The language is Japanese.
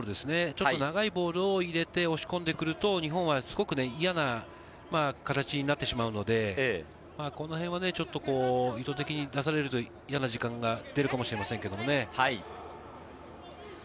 ちょっと長いボールを入れて押し込んでくると、日本はすごく嫌な形になってしまうので、このへんは意図的に出されると、嫌な時間ができるかもしれません。